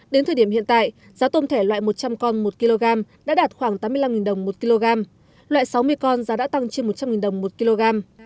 đến thời điểm hiện tại giá tôm thẻ loại một trăm linh con một kg đã đạt khoảng tám mươi năm đồng một kg loại sáu mươi con giá đã tăng trên một trăm linh đồng một kg